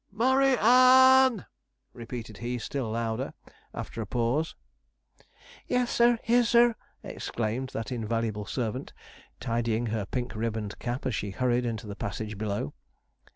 'MURRAY ANN!' repeated he, still louder, after a pause. 'Yes, sir! here, sir!' exclaimed that invaluable servant, tidying her pink ribboned cap as she hurried into the passage below.